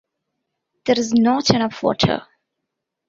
There's Not Enough Water!